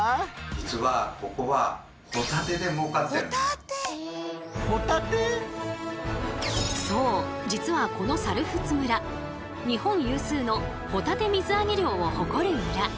実はここはそう実はこの猿払村日本有数のホタテ水揚げ量を誇る村。